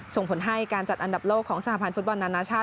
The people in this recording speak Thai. ส่งผลให้การจัดอันดับโลกของสหพันธ์ฟุตบอลนานาชาติ